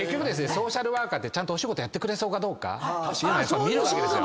ソーシャルワーカーってお仕事やってくれそうかどうか見るわけですよ。